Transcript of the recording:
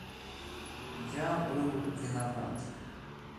Я был виноват.